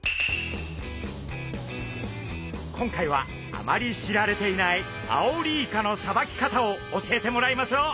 今回はあまり知られていないアオリイカのさばき方を教えてもらいましょう！